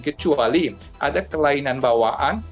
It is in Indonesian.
kecuali ada kelainan bawaan